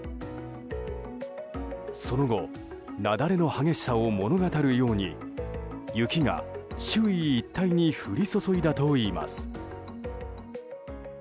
その後雪崩の激しさを物語るように雪が周囲一帯に降り注いだといいます。